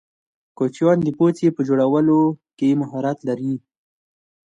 کوچیان د پوڅې په جوړولو کی مهارت لرې.